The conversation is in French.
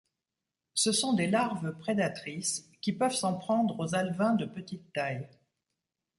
Ce sont des larves prédatrices, qui peuvent s'en prendre aux alevins de petite taille.